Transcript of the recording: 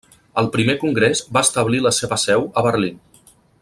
El Primer Congrés va establir la seva seu a Berlín.